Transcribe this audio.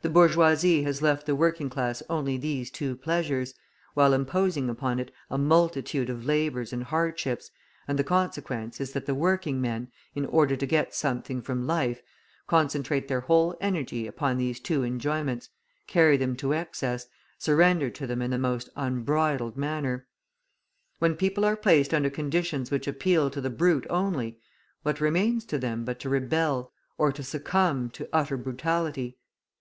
The bourgeoisie has left the working class only these two pleasures, while imposing upon it a multitude of labours and hardships, and the consequence is that the working men, in order to get something from life, concentrate their whole energy upon these two enjoyments, carry them to excess, surrender to them in the most unbridled manner. When people are placed under conditions which appeal to the brute only, what remains to them but to rebel or to succumb to utter brutality?